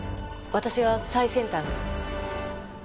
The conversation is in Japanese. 私は最先端。